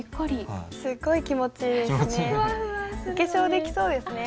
すっごい気持ちいいですね。